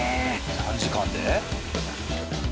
３時間で？